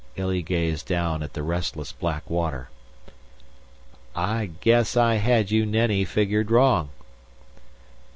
Illy gazed down at the restless black water. "I guess I had you Nenni figured wrong."